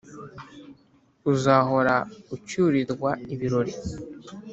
uzahora ucyurirwa ibirori